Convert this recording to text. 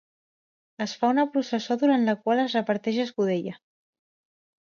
Es fa una processó durant la qual es reparteix escudella.